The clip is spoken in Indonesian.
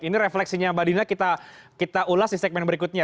jadi refleksinya mbak dina kita ulas di segmen berikutnya